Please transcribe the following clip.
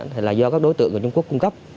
thì là do các đối tượng người trung quốc cung cấp